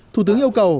thủ tướng yêu cầu